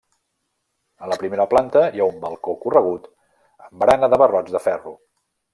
A la primera planta hi ha un balcó corregut amb barana de barrots de ferro.